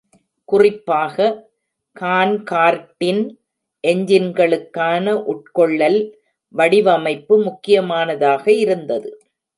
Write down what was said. குறிப்பாக கான்கார்ட்டின் என்ஜின்களுக்கான உட்கொள்ளல் வடிவமைப்பு முக்கியமானதாக இருந்தது.